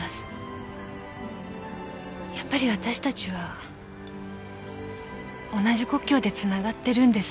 やっぱりわたしたちは同じ故郷でつながってるんです。